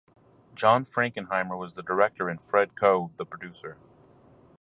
John Frankenheimer was the director and Fred Coe the producer.